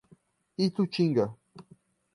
Itutinga